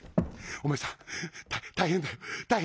「お前さん大変だよ大変。